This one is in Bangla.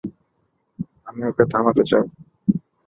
আমি ওকে থামাতে চাই।